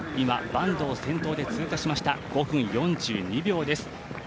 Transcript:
板東を先頭で通過しました、今、５分４２秒です